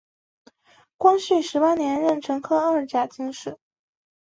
光绪十八年壬辰科二甲进士。